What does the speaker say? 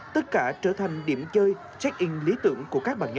tất cả trở thành điểm chơi check in lý tưởng của các bạn nhỏ